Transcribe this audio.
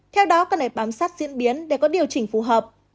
theo đó cần phải bám sát diễn biến để có điều chỉnh phù hợp